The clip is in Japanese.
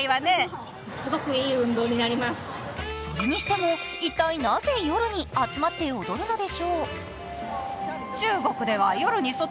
それにしても一体なぜ夜に集まって踊るのでしょう。